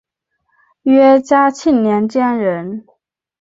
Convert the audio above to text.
约嘉庆年间人。